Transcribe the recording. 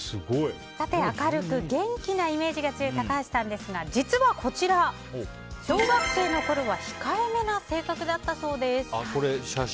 明るく元気なイメージが強い高橋さんですが実はこちら、小学生のころは控えめな性格だったそうです。